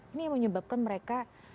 ini yang menyebabkan mereka